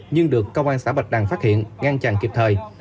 nhưng được công an xã bạch đằng phát hiện ngăn chặn kịp thời